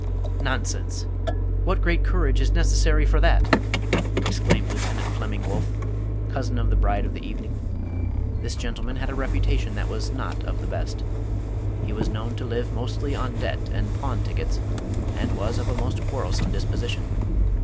" Nonsense ! What great courage is necessary for that ?" exclaimed Lieutenant Flemming Wolff, a cousin of the bride of the evening. This gentleman had a reputation that was not of the best. He was known to live mostly on debt and pawn tickets, and was of a most quarrelsome disposition.